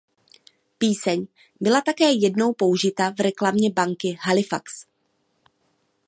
Píseň byla také jednou použita v reklamě banky Halifax.